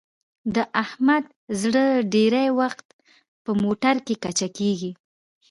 د احمد زړه ډېری وخت په موټرکې کچه کېږي.